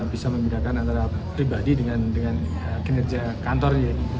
bisa membedakan antara pribadi dengan kinerja kantornya